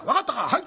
「はい！」。